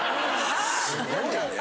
すごいね。